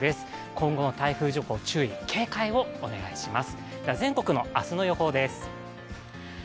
今後の台風情報に注意と警戒をお願いします。